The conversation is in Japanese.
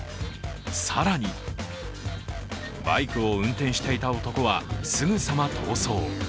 更にバイクを運転していた男はすぐさま逃走。